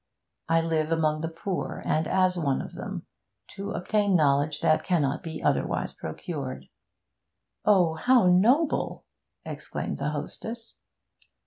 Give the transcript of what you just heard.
I live among the poor, and as one of them, to obtain knowledge that cannot be otherwise procured.' 'Oh, how noble!' exclaimed the hostess.